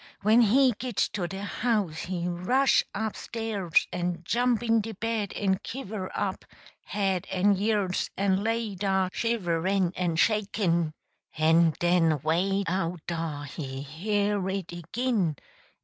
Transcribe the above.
When he git to de house he rush up stairs en jump in de bed en kiver up, head and years, en lay dah shiverin' en shakin' en den way out dah he hear it agin!